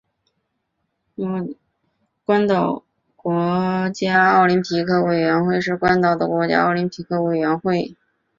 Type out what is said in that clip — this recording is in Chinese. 关岛国家奥林匹克委员会是关岛的国家奥林匹克委员会。